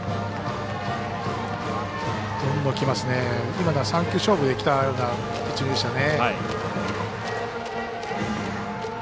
今のは３球勝負できたピッチングでしょうね。